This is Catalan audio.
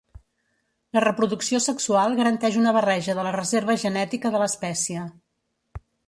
La reproducció sexual garanteix una barreja de la reserva genètica de l'espècie.